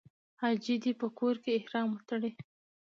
حاجي دې په کور کې احرام وتړي.